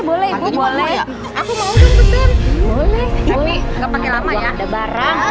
bagaimana kita pake erg solo